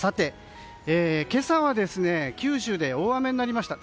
今朝は九州で大雨になりました。